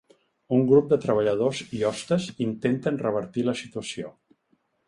Un grup de treballadors i hostes intenten revertir la situació.